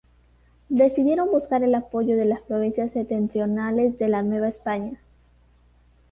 Decidieron buscar el apoyo de las provincias septentrionales de la Nueva España.